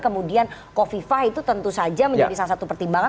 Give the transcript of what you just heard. kemudian kofifah itu tentu saja menjadi salah satu pertimbangan